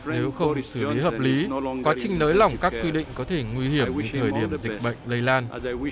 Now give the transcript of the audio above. nếu không được xử lý hợp lý quá trình nới lỏng các quy định có thể nguy hiểm đến thời điểm dịch bệnh lây lan